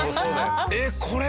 えっこれ。